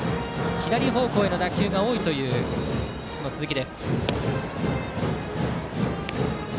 左方向への打球が多いという鈴木。